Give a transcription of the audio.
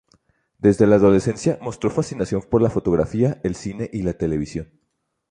Desde la adolescencia mostró fascinación por la fotografía, el cine y la televisión.